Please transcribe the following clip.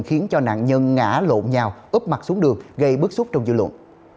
khiến cho nạn nhân ngã lộn nhau úp mặt xuống đường gây bức xúc trong dự luận